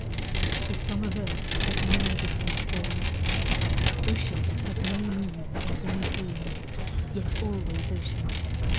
The song of earth has many different chords; Ocean has many moods and many tones Yet always ocean.